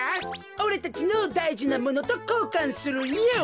おれたちのだいじなものとこうかんするよ。